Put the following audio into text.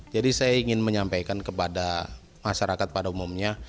jadi saya ingin menyampaikan kepada masyarakat pada umumnya